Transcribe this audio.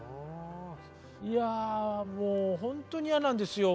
いやもうほんとに嫌なんですよ。